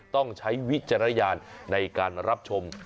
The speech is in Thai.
ต้องใช้วิจารณญาณในการรับชม